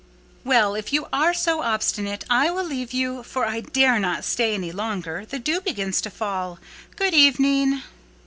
"Well, if you are so obstinate, I will leave you; for I dare not stay any longer: the dew begins to fall. Good evening!"